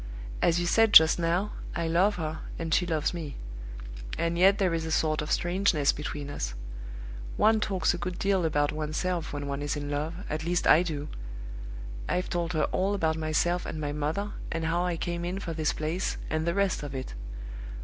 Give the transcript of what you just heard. "As you said just now, I love her, and she loves me; and yet there is a sort of strangeness between us. One talks a good deal about one's self when one is in love, at least I do. I've told her all about myself and my mother, and how I came in for this place, and the rest of it.